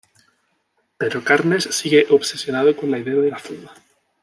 Pero Carnes sigue obsesionado con la idea de la fuga.